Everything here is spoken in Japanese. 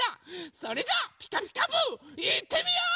それじゃあ「ピカピカブ！」いってみよう！